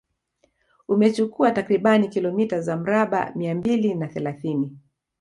Umechukua takribani kilomita za mraba mia mbili na thelathini